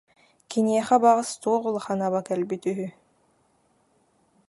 Киниэхэ баҕас туох улахан аба кэлбит үһү